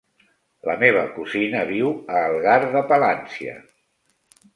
La meva cosina viu a Algar de Palància.